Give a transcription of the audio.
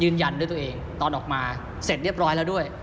ยืนยันด้วยตัวเองตอนออกมาเสร็จเรียบร้อยแล้วด้วย